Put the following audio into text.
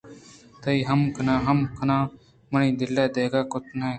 تئی مہ کن مہ کنءَ منی دلءَداگے داتگ اَنت